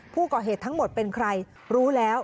ผู้ก่อเหตุทั้งหมดเป็นใครรู้แล้ว